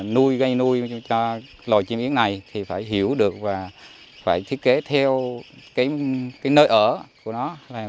nuôi gây nuôi cho loài chim yến này thì phải hiểu được và phải thiết kế theo cái nơi ở của nó